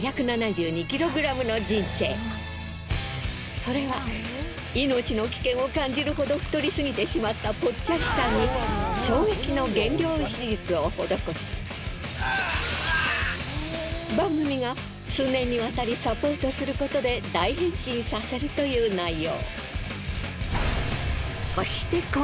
それは命の危険を感じるほど太りすぎてしまったぽっちゃりさんに衝撃の減量手術を施し番組が数年にわたりサポートすることで大変身させるという内容。